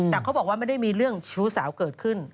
แต่เขาบอกว่าไม่ได้มีเรื่องชู้สาวเกิดขึ้น